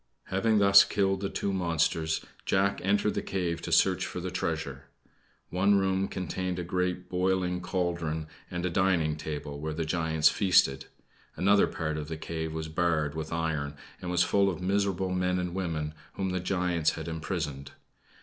Having thus killed the two monsters Jack entered the cave to search for the treasure. One room contained a great boiling cauldron and a dining table, where the giants feasted. Another part of the cave was barred with iron and was full of miserable men and women whom the giants had imprisoned.